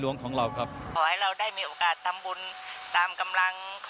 เรารักท่านมาก